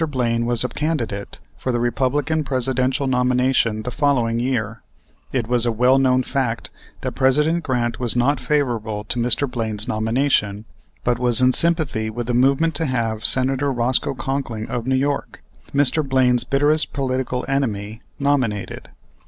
Blaine was a candidate for the Republican Presidential nomination the following year. It was a well known fact that President Grant was not favorable to Mr. Blaine's nomination, but was in sympathy with the movement to have Senator Roscoe Conkling, of New York, Mr. Blaine's bitterest political enemy, nominated.